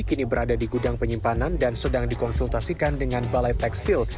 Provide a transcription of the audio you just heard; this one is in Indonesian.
kini berada di gudang penyimpanan dan sedang dikonsultasikan dengan balai tekstil